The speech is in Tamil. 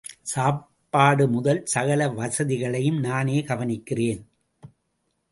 சாப்பாடு முதல் சகல வசதிகளையும் நானே கவனிக்கிறேன்.